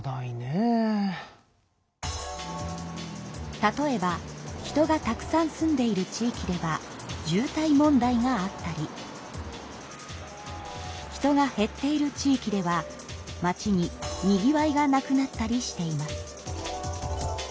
例えば人がたくさん住んでいる地域では渋滞問題があったり人が減っている地域では町ににぎわいがなくなったりしています。